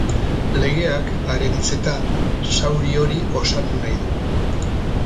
Legeak, haren hitzetan, zauri hori osatu nahi du.